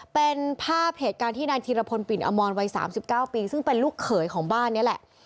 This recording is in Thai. เป็นภาพเหตุการณ์ที่นายธีรพลปิ่นอมรวัย๓๙ปีซึ่งเป็นลูกเขยของบ้านนี้แหละ